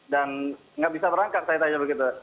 dan enggak bisa berangkat saya tanya begitu